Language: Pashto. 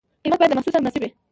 قیمت باید له محصول سره مناسب وي.